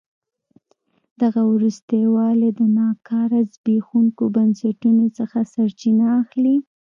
دغه وروسته والی د ناکاره زبېښونکو بنسټونو څخه سرچینه اخلي.